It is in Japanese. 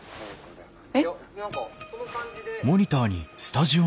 えっ。